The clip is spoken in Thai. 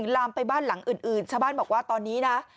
ลามไปบ้านหลังอื่นชาวบ้านบอกว่าตอนนี้นะ